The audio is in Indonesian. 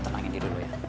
tenangin diri lo ya